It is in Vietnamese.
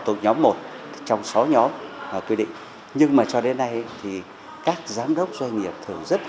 thuộc nhóm một trong sáu nhóm quy định nhưng mà cho đến nay thì các giám đốc doanh nghiệp thường rất